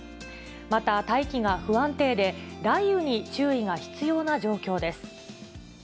また大気が不安定で、雷雨に注意が必要な状況です。